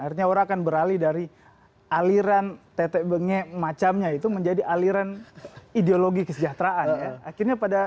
artinya orang akan beralih dari aliran teteh benge macamnya itu menjadi aliran ideologi kesejahteraan ya